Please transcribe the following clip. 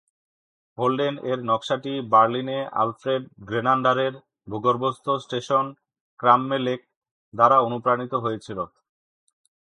হোল্ডেন এর নকশাটি বার্লিনে আলফ্রেড গ্রেনান্ডারের ভূগর্ভস্থ স্টেশন "ক্রামমে লেক" দ্বারা অনুপ্রাণিত হয়েছিল।